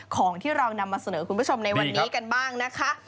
ของเรานำมาเสนอคุณผู้ชมในวันนี้กันบ้างนะคะ